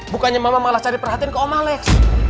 bukannya mama malah cari perhatian ke om alex